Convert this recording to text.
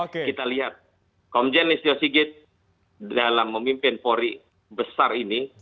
kita lihat komjen listio sigit dalam memimpin polri besar ini